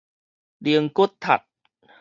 靈骨塔